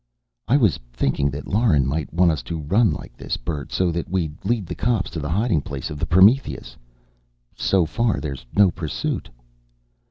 "I was thinking that Lauren might want us to run like this, Bert, so that we'd lead the cops to the hiding place of the Prometheus. So far there's no pursuit."